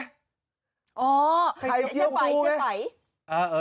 อ๋อไข่เจี้ยวปูไง